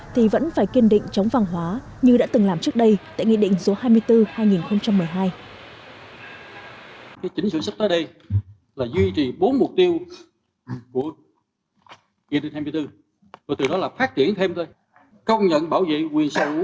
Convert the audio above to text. thì vẫn phải kiên định chống văn hóa như đã từng làm trước đây tại nghị định số hai mươi bốn hai nghìn một mươi hai